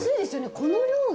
この量で。